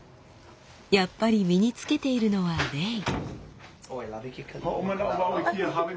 やっぱり身に着けているのはレイ。